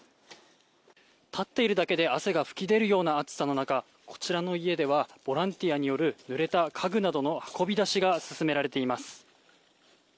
立っているだけで汗が噴き出るような暑さの中こちらの家ではボランティアによるぬれた家具などの運び出しが進められています。